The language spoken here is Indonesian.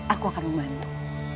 aku akan membantu